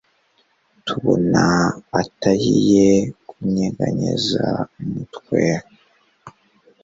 tubona atayiye kunyeganyeza umutwe